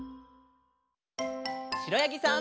しろやぎさん。